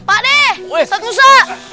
pak deh ustadz musa